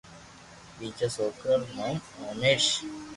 ٻيجا سوڪرا رو نوم اوميݾ